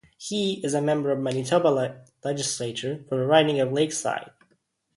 He is a member of Manitoba legislature for the riding of Lakeside.